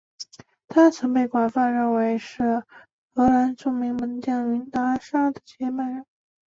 他曾被广泛认为是荷兰著名门将云达沙的接班人。